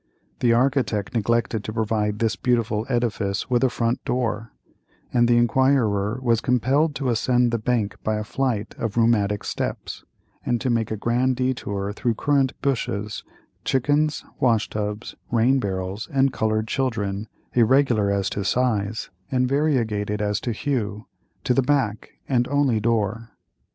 The architect neglected to provide this beautiful edifice with a front door, and the inquirer was compelled to ascend the bank by a flight of rheumatic steps, and make a grand detour through currant bushes, chickens, washtubs, rain barrels, and colored children, irregular as to size, and variegated as to hue, to the back, and only door.